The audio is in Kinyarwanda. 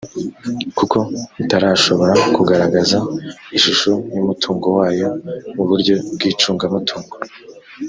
kuko itarashobora kugaragaza ishusho y umutungo wayo mu buryo bw icungamutungo